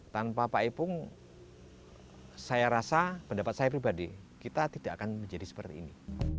tanpa pak ipung saya rasa pendapat saya pribadi kita tidak akan menjadi seperti ini